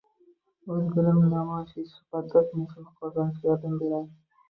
O‘z bilimini namoyish etish suhbatdosh mehrini qozonishga yordam beradi.